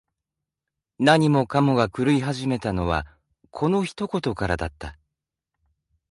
何もかもが狂い始めたのは、この一言からだった。